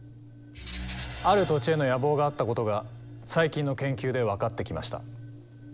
ある土地への野望があったことが最近の研究で分かってきました。